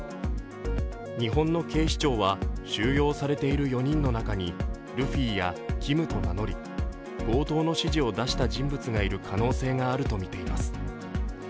日本の警視庁は、収容されている４人の中にルフィやＫｉｍと名乗り強盗の指示を出した人物がいる可能性があるとみています。